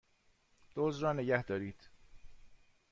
دزد را نگهدارید!